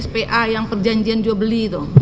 spa yang perjanjian jobli itu